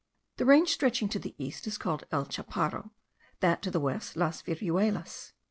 The range stretching to the east is called El Chaparro; that to the west, Las Viruelas.